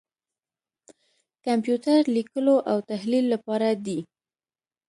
کمپیوټر لیکلو او تحلیل لپاره دی.